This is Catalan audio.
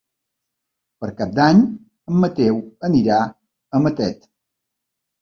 Per Cap d'Any en Mateu anirà a Matet.